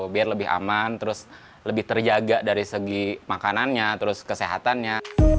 biar lebih aman terus lebih terjaga dari segi makanannya terus kesehatannya